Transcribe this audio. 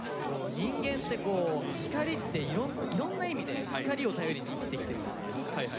人間って光っていろんな意味で光を頼りに生きてきてるじゃないですか。